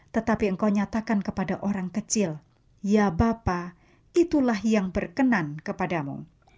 tetapi engkau nyatakan kepada orang kecil ya bapak itulah yang berkenan kepadamu